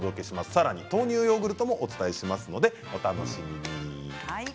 さらに豆乳ヨーグルトもお伝えしますのでお楽しみに。